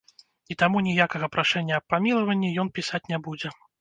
І таму ніякага прашэння аб памілаванні ён пісаць не будзе.